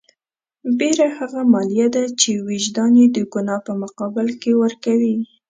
بېره هغه مالیه ده چې وجدان یې د ګناه په مقابل کې ورکوي.